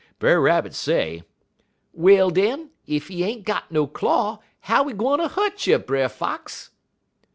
Brer Rabbit say: "'Well, den, ef he ain't got no claw, how he gwine ter hu't you, Brer Fox?'